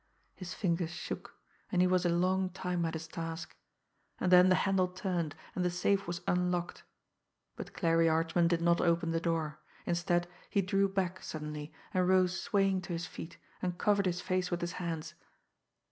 His fingers shook, and he was a long time at his task and then the handle turned, and the safe was unlocked, but Clarie Archman did not open the door. Instead, he drew back suddenly, and rose swaying to his feet, and covered his face with his hands.